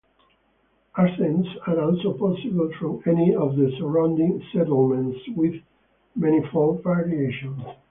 Ascents are also possible from any of the surrounding settlements with manifold variations.